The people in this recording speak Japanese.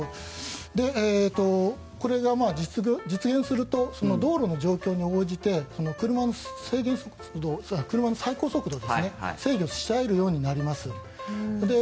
これが実現すると道路の状況に応じて車の最高速度を制御できるようになります。